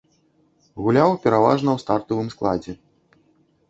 Гуляў пераважна ў стартавым складзе.